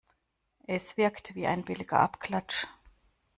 Es wirkt wie ein billiger Abklatsch.